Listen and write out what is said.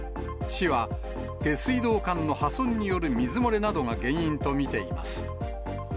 市は、下水道管の破損による水漏れなどが原因と見ています。